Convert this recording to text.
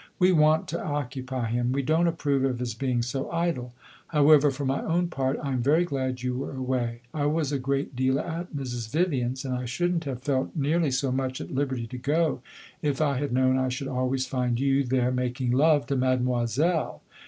We want to occupy him; we don't approve of his being so idle. However, for my own part, I am very glad you were away. I was a great deal at Mrs. Vivian's, and I should n't have felt nearly so much at liberty to go if I had known I should always find you there making love to Mademoiselle.